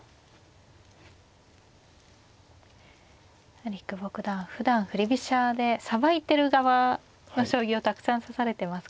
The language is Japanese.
やはり久保九段ふだん振り飛車でさばいてる側の将棋をたくさん指されてますからね